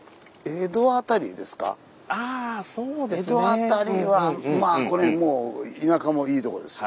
江戸あたりはまあこの辺もう田舎もいいとこですよ。